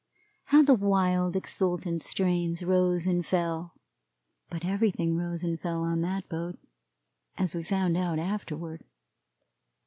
How the wild, exultant strains rose and fell but everything rose and fell on that boat, as we found out afterward.